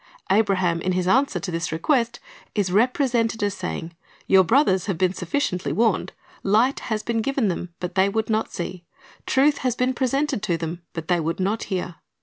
Abraham in his answer to this request is represented as saying, Your brothers have been sufficiently warned. Light has been given them, but they would not see; truth has been presented to them, but they would not hear.